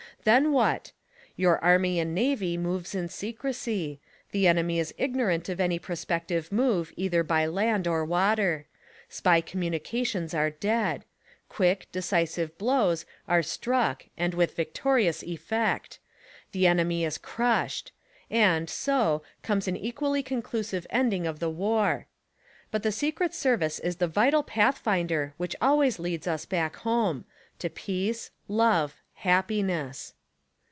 Then wliat? Your Army and Navy moves in secrecy; the enemy is ignorant of any prospective move either by land or water; Spy communications are dead; quick, decisive blows are struck and with victorious effect; the enemy is crushed ; and, so, comes an equally conclusive ending of the war. But the Secret Service is the vital path finder which ahvays leads us back home; to peace, love — happiness.